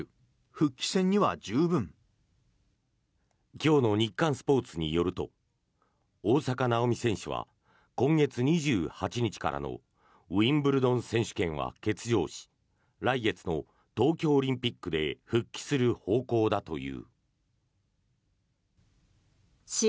今日の日刊スポーツによると大坂なおみ選手は今月２８日からのウィンブルドン選手権は欠場し来月の東京オリンピックで復帰する方向だという。